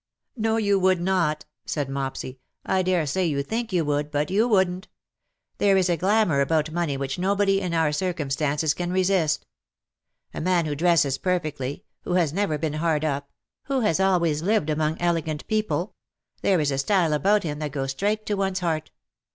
''^" No, you would not/' said Mopsy. " I daresay you think you would, but you wouldn't. There is a glamour about money which nobody in our circumstances can resist. A man who dresses perfectly — who has never been hard up — who has always lived among elegant people — there is a style about him that goes straight to one's heart.